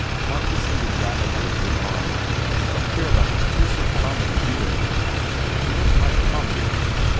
Mark descended rapidly and went on, "I don t care about these two cent comedies, either." "You don t like comedy?"